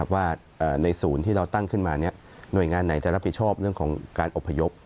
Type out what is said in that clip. ว่าในศูนย์ที่เราตั้งขึ้นมาหน่วยงานไหนจะรับผิดชอบเรื่องของการอบพยพ